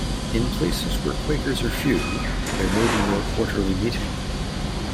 In places where Quakers are few, there may be no Quarterly meeting.